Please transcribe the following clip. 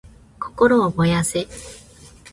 心を燃やせ！